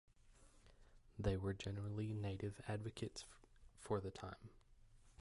They were generally Native advocates for the time.